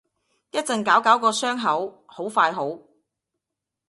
一陣搞搞個傷口，好快好